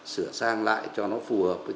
sửa sang lại cho nó phù hợp với từ ngữ bây giờ